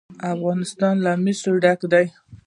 افغانستان له مس ډک دی.